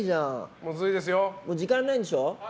もう時間ないんでしょ？